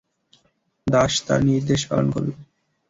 দাস তার নির্দেশ পালন করল।